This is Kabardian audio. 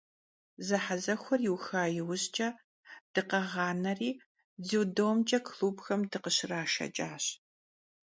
Zehezexuer yiuxa yiujç'e dıkhağaneri, dzüdomç'e klubxem dıkhışraşşeç'aş.